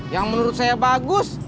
yang menurut saya bagus